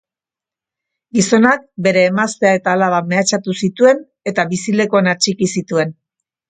Gizonak bere emaztea eta alaba mehatxatu zituen eta bizilekuan atxiki zituen.